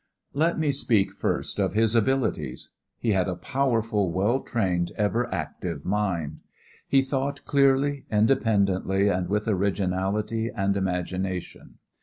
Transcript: Let me speak first of his abilities. He had a powerful, well trained, ever active mind. He thought clearly, independently, and with originality and imagination.